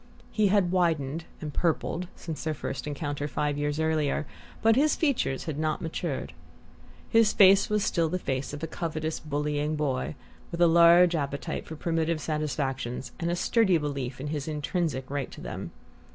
He had widened and purpled since their first encounter, five years earlier, but his features had not matured. His face was still the face of a covetous bullying boy, with a large appetite for primitive satisfactions and a sturdy belief in his intrinsic right to them.